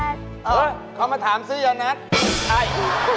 เออเขามาถามซื้อแย่แนท